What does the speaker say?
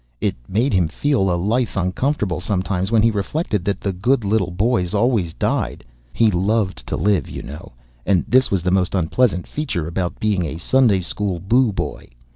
It made him feel a little uncomfortable sometimes when he reflected that the good little boys always died. He loved to live, you know, and this was the most unpleasant feature about being a Sunday school book boy.